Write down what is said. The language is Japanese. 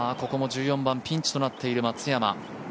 ここも１４番、ピンチとなっている松山。